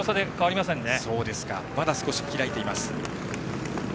まだ少し開いています。